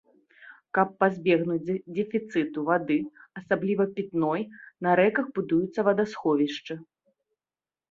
Каб пазбегнуць дэфіцыту вады, асабліва пітной, на рэках будуюцца вадасховішчы.